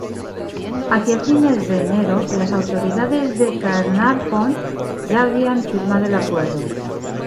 Hacia fines de enero, las autoridades de Caernarfon ya habían firmado el acuerdo.